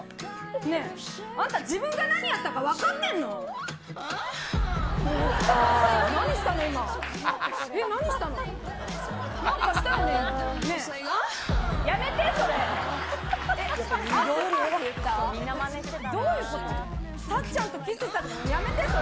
ねぇ、あんた、自分が何やったか分かってんの？